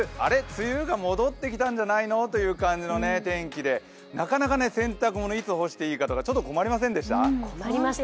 梅雨が戻ってきたんじゃないのという感じの天気でなかなか洗濯物いつ干していいかとか困りませんでした？